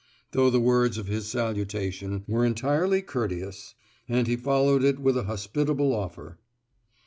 though the words of his salutation were entirely courteous; and he followed it with a hospitable offer.